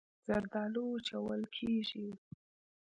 زردالو وچول کېږي.